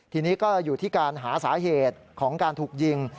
ทีนี้ก็อยู่ที่การหาสาเหตุของการถูกยิง